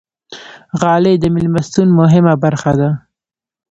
غالۍ د میلمستون مهمه برخه ده.